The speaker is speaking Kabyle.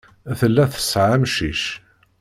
Tella tesɛa amcic.